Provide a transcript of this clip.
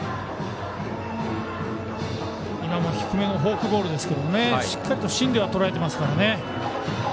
今も低めのフォークボールですがしっかりと芯ではとらえてますからね。